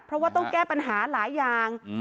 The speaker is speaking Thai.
เพราะว่าต้องแก้ปัญหาหลายอย่าง